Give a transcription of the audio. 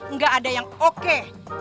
nggak ada yang oke